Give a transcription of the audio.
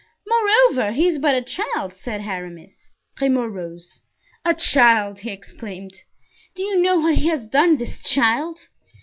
"Moreover, he is but a child," said Aramis. Grimaud rose. "A child!" he exclaimed. "Do you know what he has done, this child?